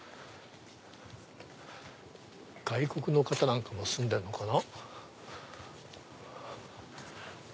外国の方なんかも住んでるのかな。